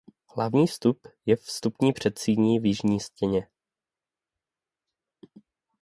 Hlavní vstup je vstupní předsíni v jižním stěně.